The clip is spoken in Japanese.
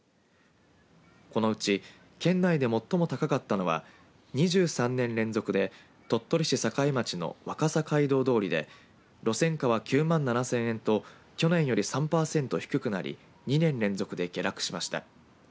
このうち県内で最も高かったのは２３年連続で鳥取市栄町の若桜街道通りで路線価は９万７０００円と去年より３パーセント低くなり２年連続で下落しました。